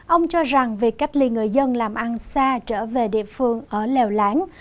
ông cho rằng việc cách ly người dân làm ăn xa trở về địa phương ở lèo láng